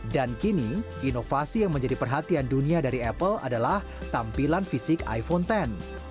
dan kini inovasi yang menjadi perhatian dunia dari apple adalah tampilan fisik iphone x